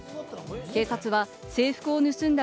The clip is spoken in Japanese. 警察は制服を盗んだ